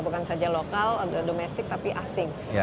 bukan saja lokal atau domestik tapi asing